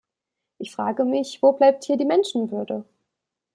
Ich frage mich, wo bleibt hier die Menschenwürde?